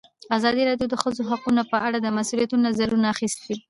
ازادي راډیو د د ښځو حقونه په اړه د مسؤلینو نظرونه اخیستي.